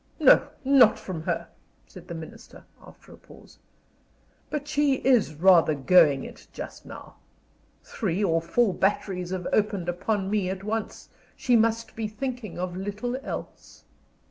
"No, not from her," said the Minister, after a pause. "But she is rather going it, just now. Three or four batteries have opened upon me at once. She must be thinking of little else."